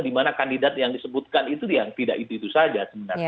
di mana kandidat yang disebutkan itu yang tidak itu itu saja